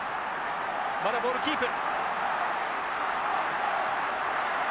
まだボールキープ。